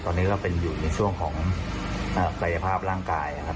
แต่ตอนนี้ก็เป็นอยู่ในช่วงของกระยะภาพร่างกายครับครับ